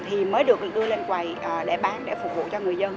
thì mới được đưa lên quầy để bán để phục vụ cho người dân